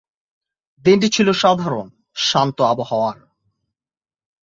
দিনটি ছিল সাধারণ, শান্ত আবহাওয়ার।